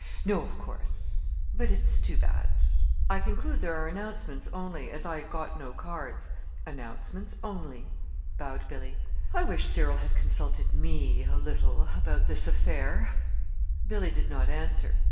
"No, of course not; but it's too bad. I conclude there are announcements only, as I got no cards. "Announcements only," bowed Billy. "I wish Cyril had consulted me, a little, about this affair." Billy did not answer.